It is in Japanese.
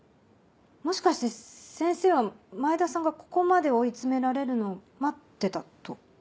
もしかして先生は前田さんがここまで追い詰められるのを待ってたと？